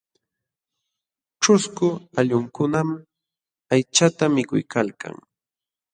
Ćhusku allqukunam aychata mikuykalkan.